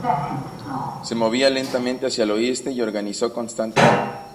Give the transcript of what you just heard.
Se movía lentamente hacia el oeste y organizó constantemente.